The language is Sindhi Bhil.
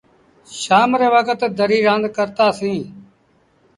شآم ري وکت دريٚ رآند ڪرتآ سيٚݩ۔